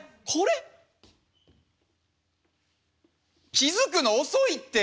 気付くの遅いって！